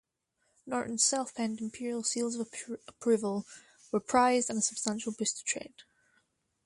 Norton's self-penned Imperial seals of approval were prized and a substantial boost to trade.